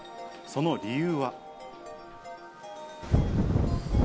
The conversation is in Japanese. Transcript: その理由は。